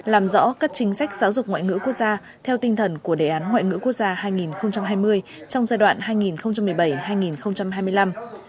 làm rõ các chính sách giáo dục ngoại ngữ quốc gia theo tinh thần của đề án ngoại ngữ quốc gia hai nghìn hai mươi trong giai đoạn hai nghìn một mươi bảy hai nghìn hai mươi năm